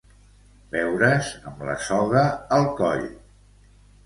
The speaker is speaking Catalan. Veure's amb la soga al coll.